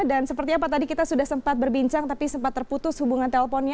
dan seperti apa tadi kita sudah sempat berbincang tapi sempat terputus hubungan teleponnya